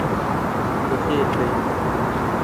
بەخێربێن.